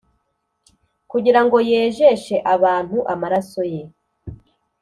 “kugira ngo yejeshe abantu amaraso ye,”